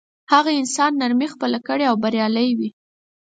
هغه انسان نرمي خپله کړي بریالی وي.